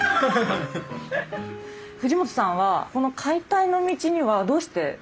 藤本さんはこの解体の道にはどうして？